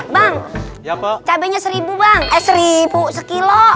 bang cabainya seribu bang eh seribu sekilo